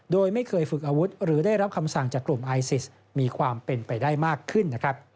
โดยไม่เคยฝึกอาวุธหรือได้รับคำสั่งจากกลุ่มไอซิสมีความเป็นไปได้มากขึ้นนะครับ